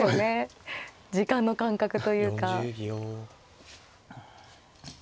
時間の感覚というか。